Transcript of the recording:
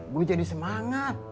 gue jadi semangat